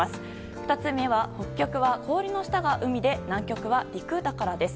２つ目は、北極は氷の下が海で南極は陸だからです。